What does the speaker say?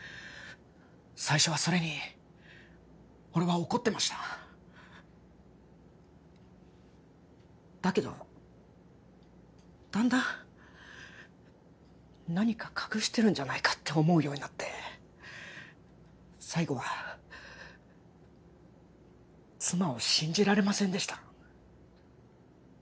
最初はそれに俺は怒ってましただけどだんだん何か隠してるんじゃないかって思うようになって最後は妻を信じられませんでした